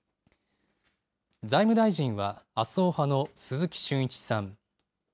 財務大臣は麻生派の鈴木俊一さん。